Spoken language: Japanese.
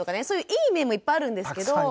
そういういい面もいっぱいあるんですけど。